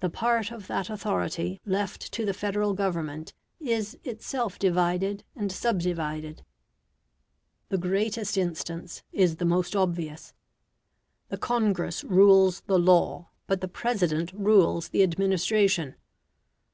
The part of that authority left to the Federal Government is itself divided and subdivided. The greatest instance is the most obvious. The Congress rules the law, but the President rules the administration.